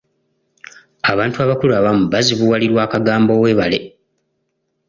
Abantu abakulu abamu bazibuwalirwa akagambo weebale.